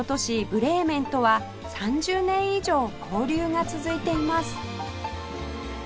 ブレーメンとは３０年以上交流が続いています